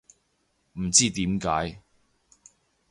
唔知點解